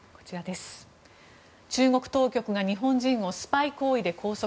中国当局が日本人をスパイ行為で拘束。